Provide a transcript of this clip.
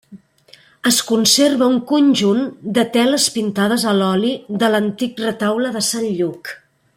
Es conserva un conjunt de teles pintades a l'oli de l'antic Retaule de Sant Lluc.